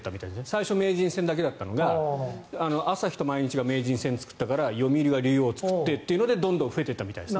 最初は名人戦だけだったのが朝日と毎日が名人戦を作ったから読売が竜王を作ってというのでどんどん増えていったみたいです。